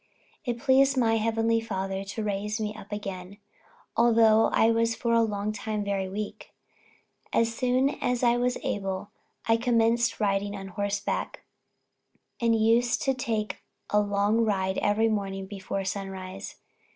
It pleased my Heavenly Father to raise me up again, although I was for a long time very weak. As soon as I was able, I commenced riding on horseback, and used to take a long ride every morning before sunrise.